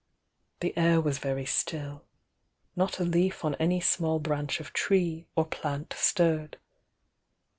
Th' air was very still, — not a leaf on any small branci of tree or plant stirred.